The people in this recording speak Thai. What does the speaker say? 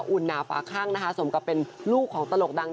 หนาฝาข้างนะคะสมกับเป็นลูกของตลกดัง